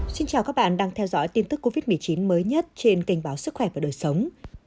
xin chào các bạn đang theo dõi tin tức covid một mươi chín mới nhất trên kênh báo sức khỏe và đời sống